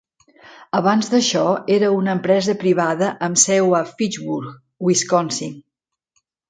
Abans d'això, era una empresa privada amb seu a Fitchburg, Wisconsin.